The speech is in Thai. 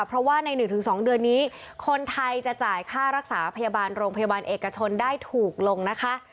เพราะว่าใน๑๒เดือนนี้คนไทยจะจ่ายค่ารักษาพยาบาลโรงพยาบาลเอกชนได้ถูกลงนะคะ